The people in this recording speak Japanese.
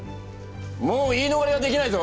もう言い逃れはできないぞ！